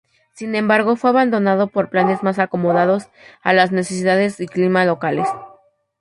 Sin embargo, fue abandonado por planes más acomodados a las necesidades y clima locales.